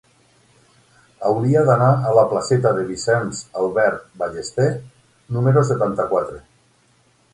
Hauria d'anar a la placeta de Vicenç Albert Ballester número setanta-quatre.